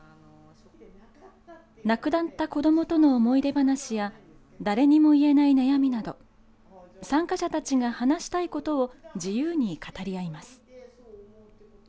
亡くなった子どもとの思い出話や誰にも言えない悩みなど参加者たちが話したいことを自由に語り合います。